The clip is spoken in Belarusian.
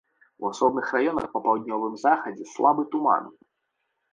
У асобных раёнах па паўднёвым захадзе слабы туман.